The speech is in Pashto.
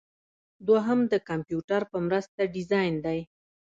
دوهم د کمپیوټر په مرسته ډیزاین دی.